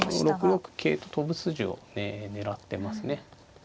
６六桂と跳ぶ筋を狙ってますね。